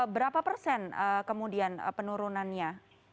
berapa persen kemudian penurunannya